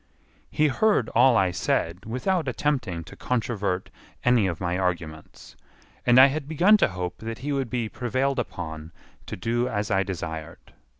He heard all I said without attempting to controvert any of my arguments, and I had begun to hope that he would be prevailed upon to do as I desired.